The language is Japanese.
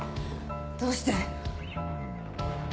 どうして？